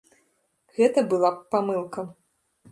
Гэта была б памылка.